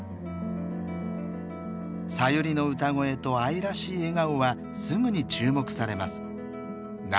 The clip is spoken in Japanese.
さゆりの歌声と愛らしい笑顔はすぐに注目されます。